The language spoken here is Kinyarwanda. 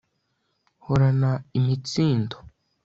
horana imitsindo